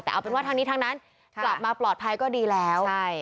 แต่เอาเป็นว่าทั้งนี้ทั้งนั้นกลับมาปลอดภัยก็ดีแล้ว